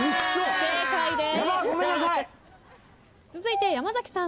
正解です。